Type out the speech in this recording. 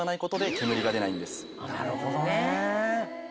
なるほどね。